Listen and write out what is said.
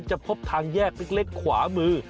พบทางแยกเล็กขวามือ